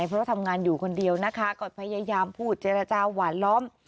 เพราะทำงานอยู่คนเดียวนะคะก็พยายามพูดเจรจาหวานล้อม